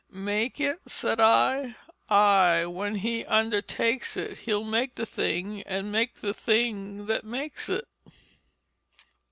Make it, said I ay, when he undertakes it, He'll make the thing and make the thing that makes it."